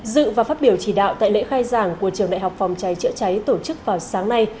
dự và phát biểu chỉ đạo tại lễ khai giảng của trường đại học phòng cháy chữa cháy tổ chức vào sáng nay